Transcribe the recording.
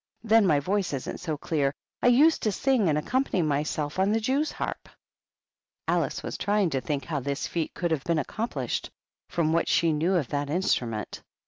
Then my voice isn't so clear. I used to sing and ac company myself on the jewsharp." Alice was trying to think how this feat could have been accomplished, from what she knew of that instrument.